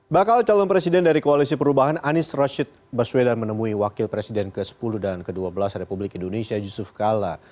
bakal calon presiden dari koalisi perubahan anies rashid baswedan menemui wakil presiden ke sepuluh dan ke dua belas republik indonesia yusuf kala